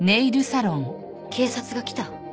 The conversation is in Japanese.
「警察が来た」